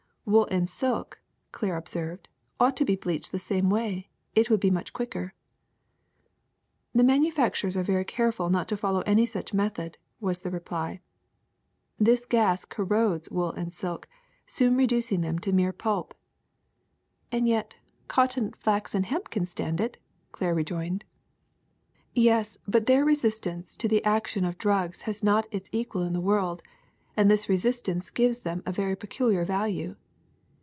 '' "Wool and silk," Claire observed, "ought to be bleached that way too : it would be much quicker." "The manufacturers are very careful not to fol low any such method," was the reply. "This gas corrodes wool and silk, soon reducing them to a mere pulp. '' 58 THE SECRET OF EVERYDAY THINGS *^And yet cotton, flax, and hemp can stand it,^' Claire rejoined. *'Yes, but their resistance to the action of drugs has not its equal in the world, and this resistance gives them a very peculiar value.